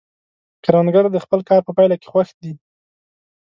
کروندګر د خپل کار په پایله کې خوښ دی